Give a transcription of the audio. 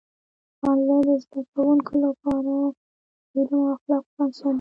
ښوونځي د زده کوونکو لپاره د علم او اخلاقو بنسټ دی.